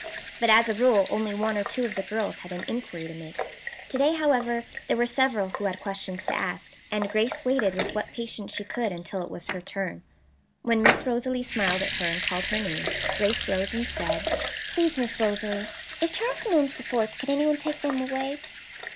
But as a rule only one or two of the girls had any inquiry to make. To day, however, there were several who had questions to ask and Grace waited with what patience she could until it was her turn. When Miss Rosalie smiled at her and called her name, Grace rose and said: "Please, Miss Rosalie, if Charleston owns the forts, could anyone take them away?"